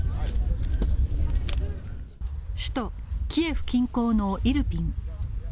首都キエフ近郊のイルピン。